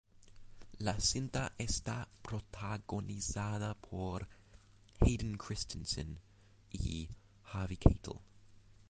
La cinta está protagonizada por Hayden Christensen y Harvey Keitel.